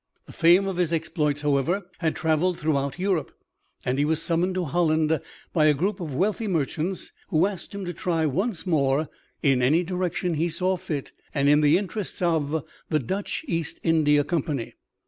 The fame of his exploits, however, had traveled throughout Europe, and he was summoned to Holland by a group of wealthy merchants who asked him to try once more in any direction he saw fit, and in the interests of the Dutch East India Company.